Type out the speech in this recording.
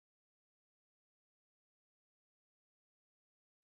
یورانیم د افغانستان د هیوادوالو لپاره ویاړ دی.